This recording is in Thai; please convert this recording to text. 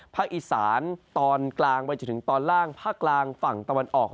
ภาคอีสานตอนกลางไปจนถึงตอนล่างภาคกลางฝั่งตะวันออก